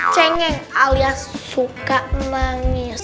cengeng alias suka manggis